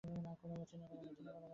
না, কোনোমতেই না।